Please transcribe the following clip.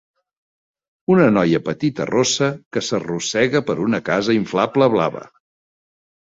Una noia petita rossa que s'arrossega per una casa inflable blava.